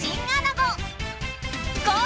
ゴー！